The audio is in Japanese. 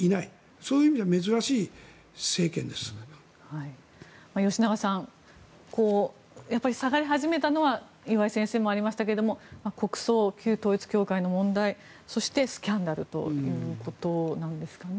そういう意味では吉永さんやっぱり下がり始めたのは岩井先生からもありましたが国葬、旧統一教会の問題そしてスキャンダルということなんですかね。